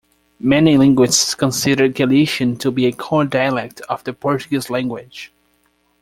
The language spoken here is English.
Many linguists consider Galician to be a co-dialect of the Portuguese language.